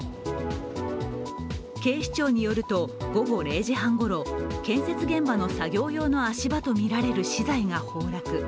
警視庁によると、午後０時半ごろ建設現場の作業用の足場とみられる資材が崩落。